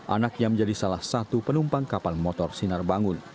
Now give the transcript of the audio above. anaknya menjadi salah satu penumpang kapal motor sinar bangun